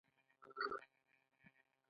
آیا تنګی هرمز د تیلو لاره نه ده؟